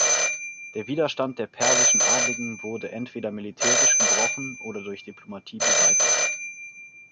Der Widerstand der persischen Adligen wurde entweder militärisch gebrochen oder durch Diplomatie beseitigt.